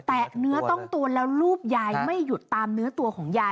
เนื้อต้องตัวแล้วรูปยายไม่หยุดตามเนื้อตัวของยาย